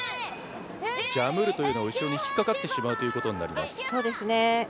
ジャムるというのは後ろに引っかかってしまうということになります。